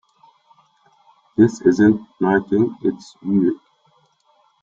This isn't knitting, its weaving.